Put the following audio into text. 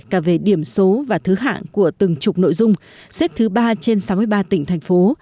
cả về điểm số và thứ hạng của từng chục nội dung xếp thứ ba trên sáu mươi ba tỉnh thành phố